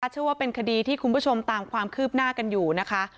เชื่อว่าเป็นคดีที่คุณผู้ชมตามความคืบหน้ากันอยู่นะคะ